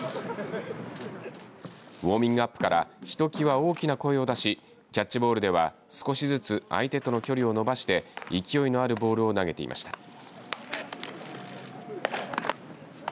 ウオーミングアップからひときわ大きな声を出しキャッチボールでは少しずつ相手との距離をのばして勢いのあるボールを投げていました。